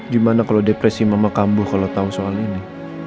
gimana kalau depresi mama kambuh kalau tahu soal ini